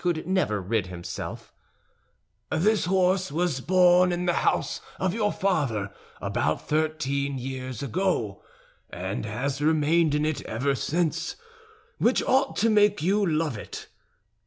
could never rid himself, "this horse was born in the house of your father about thirteen years ago, and has remained in it ever since, which ought to make you love it.